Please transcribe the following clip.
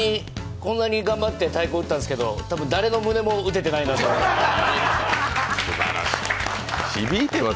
こんなに頑張って太鼓を打ったんですけど多分、誰の胸も打ててないなと思います。